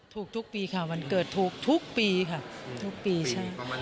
ถูกทุกปีค่ะมันเกิดถูกทุกปีค่ะ